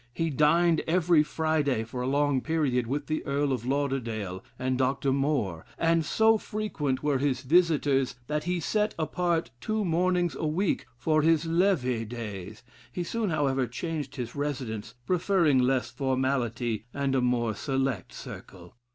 He dined every Friday, for a long period, with the Earl of Lauderdale and Dr. Moore; and so frequent were his visitors, that he set apart two mornings a week for his levee days. He soon, however, changed his residence, preferring less formality and a more select circle.